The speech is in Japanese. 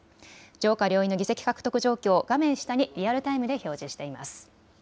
上下両院の議席獲得状況、画面下にリアルタイムで表示しています。